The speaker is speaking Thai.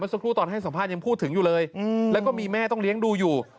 สักครู่ตอนให้สัมภาษณ์ยังพูดถึงอยู่เลยแล้วก็มีแม่ต้องเลี้ยงดูอยู่